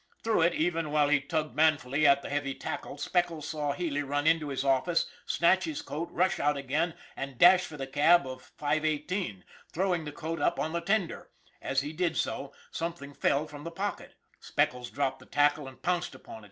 Through it, even while he tugged manfully at the heavy tackle, Speckles saw Healy run into his office, snatch his coat, rush out again, and dash for the cab of 518, throwing the coat up on the tender. As he did so, something fell from the pocket. Speckles dropped the tackle and pounced upon it.